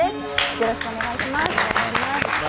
よろしくお願いします。